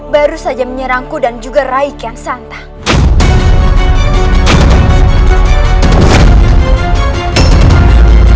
baru saja menyerangku dan juga raih kian santang